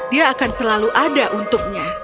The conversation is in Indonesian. dia akan selalu ada untuknya